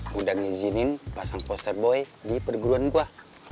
mudah ngizinin pasang poster boy di perguruan gua